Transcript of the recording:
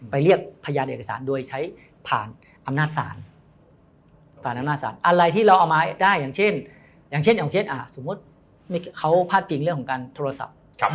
ไปเรียกพยานเอกสารด้วยใช้ผ่านอำนาจสารอะไรที่เราเอามาได้อย่างเช่นอย่างเช่นสมมุติเขาพลาดกินเรื่องของการโทรศัพท์